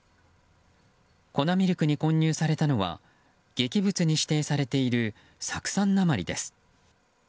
粉ミルクに混入されたのは劇物に指定されている酢酸鉛です。